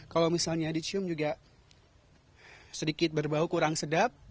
kalau misalnya dicium juga sedikit berbau kurang sedap